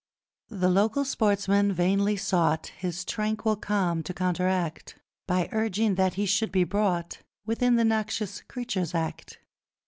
The local sportsmen vainly sought His tranquil calm to counteract, By urging that he should be brought Within the Noxious Creatures Act.